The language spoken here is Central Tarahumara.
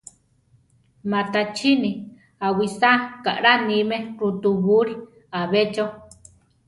Matachíni awisáa kaʼlá níme rutubúli ‘a be cho.